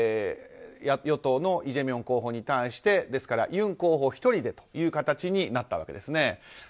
与党のイ・ジェミョン候補に対しですから、ユン候補１人でという形になったわけですね。